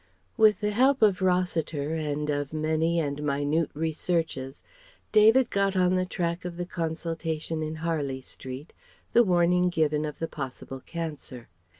With the help of Rossiter and of many and minute researches David got on the track of the consultation in Harley Street, the warning given of the possible cancer.